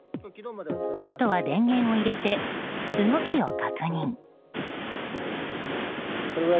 あとは電源を入れて動きを確認。